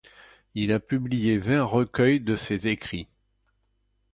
Il a publié vingt recueils de ses écrits.